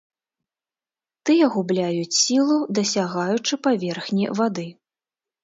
Тыя губляюць сілу, дасягаючы паверхні вады.